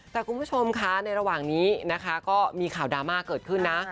แต่คุณผู้ชมคะในระหว่างนี้นะคะก็มีข่าวดราม่าเกิดขึ้นนะ